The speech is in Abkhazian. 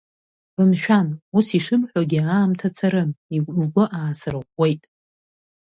Бымшәан, ус ишыбҳәогьы аамҭа царым, лгәы аасырӷәӷәеит.